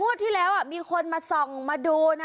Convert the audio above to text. ที่แล้วมีคนมาส่องมาดูนะ